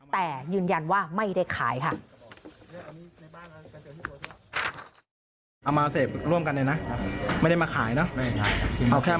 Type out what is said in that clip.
แต่ยืนยันว่าไม่ได้ขายค่ะ